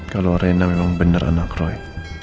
kalau rena memang benar anak roy